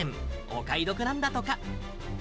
お買い得なんだとか。